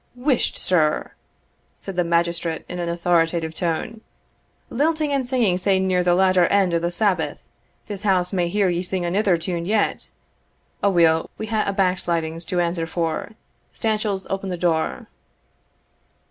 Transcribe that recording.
"Whisht, sir!" said the magistrate, in an authoritative tone "lilting and singing sae near the latter end o' the Sabbath! This house may hear ye sing anither tune yet Aweel, we hae a' backslidings to answer for Stanchells, open the door."